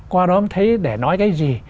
qua đó em thấy để nói cái gì